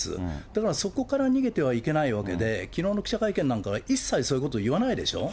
だからそこから逃げてはいけないわけで、きのうの記者会見なんかは、一切そういうことを言わないでしょう。